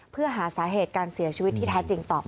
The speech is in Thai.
เพื่อหาสาเหตุการเสียชีวิตที่แท้จริงต่อไป